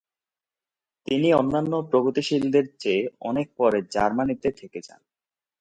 তিনি অন্যান্য প্রগতিশীলদের চেয়ে অনেক পরে জার্মানিতে থেকে যান।